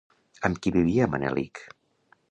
Amb qui vivia Manelic?